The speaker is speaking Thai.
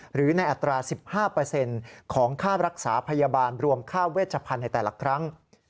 หรือในอัตรา๑๕ของค่ารักษาพยาบาลรวมค่าเวชพันธุ์ในแต่ละครั้ง